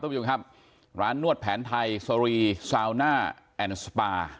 ต้องไปดูนะครับร้านนวดแผนไทยซอรีซาวน่าแอนด์สปา